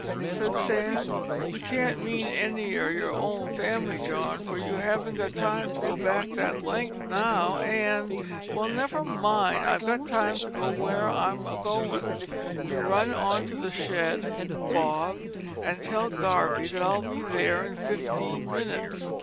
said Sam; "you can't mean any o' your own family, John, for you haven't got time to go back that length now, and " "Well, never mind, I've got time to go where I'm agoin'. You run on to the shed, Bob, and tell Garvie that I'll be there in fifteen minutes."